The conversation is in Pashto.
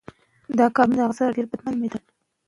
ناهیلي نه خپرېږي.